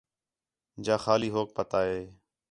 جا خالی ھوک پتا ہِے